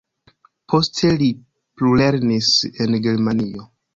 Poste li plulernis en Germanio.